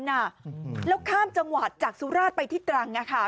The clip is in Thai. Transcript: แล้วข้ามจังหวัดจากสุราชไปที่ตรัง